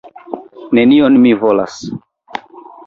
Nenion mi volas.